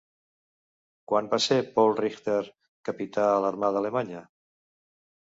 Quan va ser Paul Richter capità a l'armada alemanya?